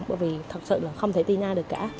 bởi vì thật sự là không thể tiên ai được cả